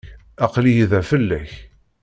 Aql-iyi da fell-ak.